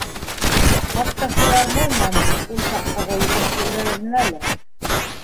Хатта филармонияның ул саҡтағы етәкселәренә лә.